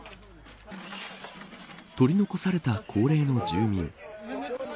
取り残された高齢の住民。